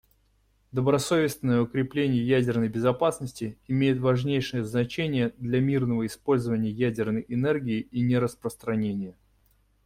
Добросовестное укрепление ядерной безопасности имеет важнейшее значение для мирного использования ядерной энергии и нераспространения.